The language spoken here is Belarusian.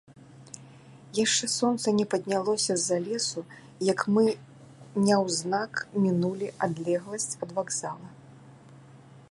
Яшчэ сонца не паднялося з-за лесу, як мы няўзнак мінулі адлегласць ад вакзала.